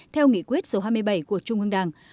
theo nghị quyết số hai mươi bảy của trung ương đảng